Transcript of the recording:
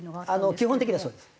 基本的にはそうです。